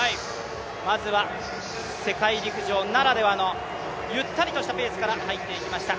まずは世界陸上ならではのゆったりとしたペースから入っていきました。